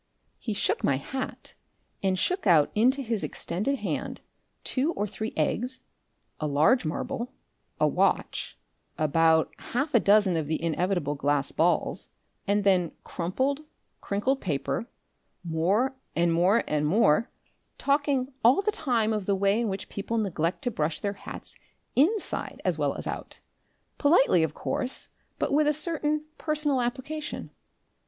He shook my hat, and shook out into his extended hand two or three eggs, a large marble, a watch, about half a dozen of the inevitable glass balls, and then crumpled, crinkled paper, more and more and more, talking all the time of the way in which people neglect to brush their hats INSIDE as well as out, politely, of course, but with a certain personal application.